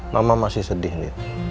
mama masih sedih lid